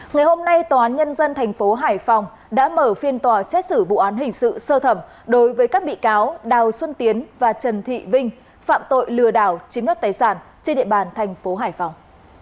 ngày hôm nay tòa án nhân dân thành phố hải phòng đã mở phiên tòa xét xử vụ án hình sự sơ thẩm đối với các bị cáo đào xuân tiến và trần thị vinh phạm tội lừa đảo chiếm đất tài sản trên địa bàn thành phố hải phòng